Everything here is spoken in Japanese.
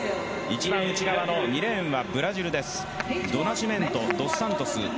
１番内側の２レーンはブラジルです。